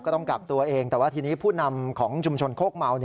ต้องกักตัวเองแต่ว่าทีนี้ผู้นำของชุมชนโคกเมา